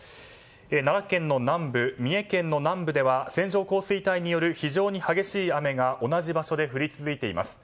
奈良県の南部、三重県の南部では線状降水帯による非常に激しい雨が同じ場所で降り続いています。